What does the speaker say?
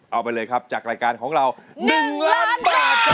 เอาไปเลยครับจากรายการของเรา๑ล้านบาทครับ